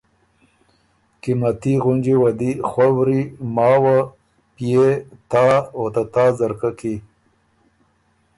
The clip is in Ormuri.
قیمتي غُنجی وه دی خؤري، ماوه، پئے، تا او ته تا ځرکۀ کی